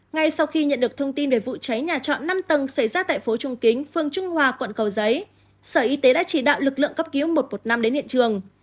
ngay sau khi nhận được thông tin về vụ cháy nhà trọ năm tầng xảy ra tại phố trung kính phương trung hòa quận cầu giấy sở y tế đã chỉ đạo lực lượng cấp cứu một trăm một mươi năm đến hiện trường